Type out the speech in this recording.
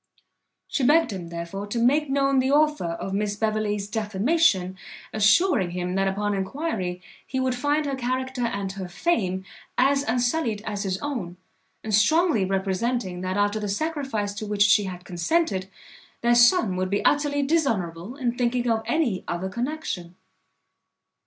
She begged him, therefore, to make known the author of Miss Beverley's defamation, assuring him, that upon enquiry, he would find her character and her fame as unsullied as his own; and strongly representing, that after the sacrifice to which she had consented, their son would be utterly dishonourable in thinking of any other connexion.